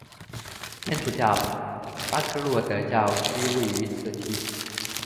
天主教巴科洛德教区位于此地。